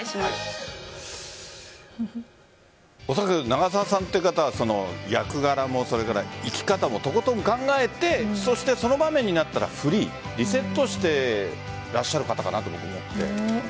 長澤さんという方は役柄も生き方もとことん考えてその場面になったらフリーリセットしてらっしゃる方かなと思って。